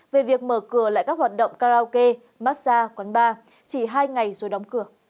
về việc mở cửa lại các hoạt động karaoke massage quán bar chỉ hai ngày rồi đóng cửa